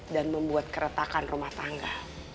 dan membuat keretakan rumah tangga